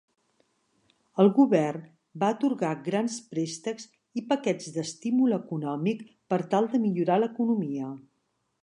El govern va atorgar grans préstecs i paquets d'estímul econòmic per tal de millorar l'economia.